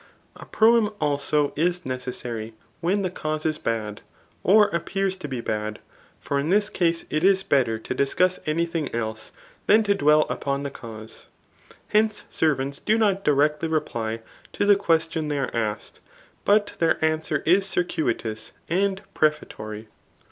A proem also is necessary when the cause is bad, or appears to be bad ; for in this case it is better to discuss any thing else than to dwell upon the cause. Hence, servants do not [directly] reply to the question they are asked, but their answer is cir« cuitous and prefatory.